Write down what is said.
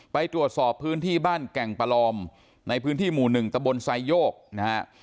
ไปตรวจสอบพื้นที่บ้านแก่งประลอมในพื้นที่หมู่๑ตะบนไซโยกนะฮะ